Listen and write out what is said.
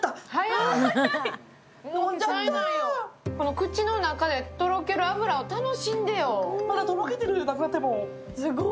口の中でとろける脂を楽しんでよ。